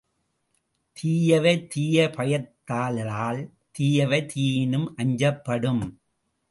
தீயவை தீய பயத்தலால் தீயவை தீயினும் அஞ்சப் படும்.